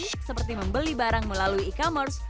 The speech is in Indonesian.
seperti membeli barang melalui e commerce